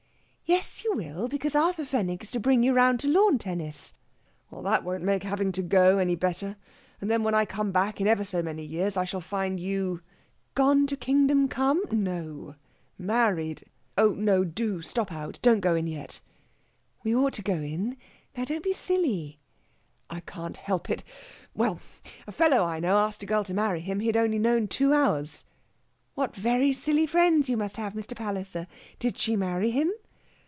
"Yes, you will; because Arthur Fenwick is to bring you round to lawn tennis...." "That won't make having to go any better. And then when I come back, in ever so many years, I shall find you...." "Gone to kingdom come?" "No married!... Oh no, do stop out don't go in yet...." "We ought to go in. Now, don't be silly." "I can't help it.... Well! a fellow I know asked a girl to marry him he'd only known two hours." "What very silly friends you must have, Mr. Palliser! Did she marry him?"